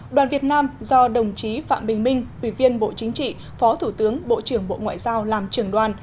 đoàn việt nam do đồng chí phạm bình minh ủy viên bộ chính trị phó thủ tướng bộ trưởng bộ ngoại giao làm trưởng đoàn